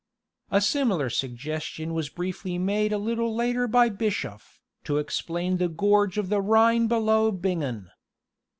A similar suggestion was briefly made a little later by Bischoff, 'to explain the gorge of the Rhine below Bingen.